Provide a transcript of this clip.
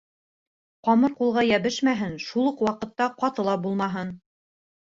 Ҡамыр ҡулға йәбешмәһен, шул уҡ ваҡытта ҡаты ла булмаһын.